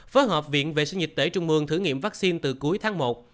phối hợp viện vệ sinh dịch tễ trung mương thử nghiệm vaccine từ cuối tháng một